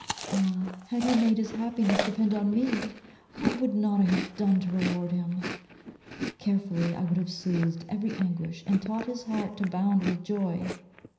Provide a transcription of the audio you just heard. Ah, had he made his happiness depend on me, what would not I have done to reward him! Carefully I would have soothed every anguish, and taught his heart to bound with joy.